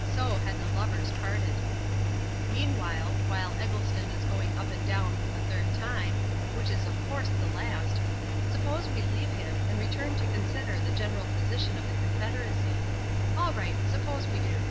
So had the lovers parted. Meanwhile while Eggleston is going up and down for the third time, which is of course the last suppose we leave him, and turn to consider the general position of the Confederacy. All right: suppose we do.